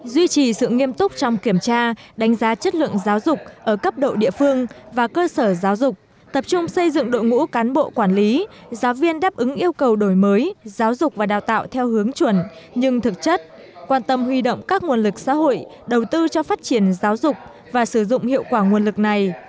duy trì sự nghiêm túc trong kiểm tra đánh giá chất lượng giáo dục ở cấp độ địa phương và cơ sở giáo dục tập trung xây dựng đội ngũ cán bộ quản lý giáo viên đáp ứng yêu cầu đổi mới giáo dục và đào tạo theo hướng chuẩn nhưng thực chất quan tâm huy động các nguồn lực xã hội đầu tư cho phát triển giáo dục và sử dụng hiệu quả nguồn lực này